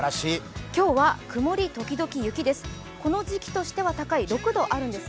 今日は曇り時々雪です。